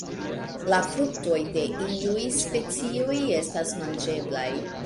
La frukto de iuj specioj estas manĝeblaj.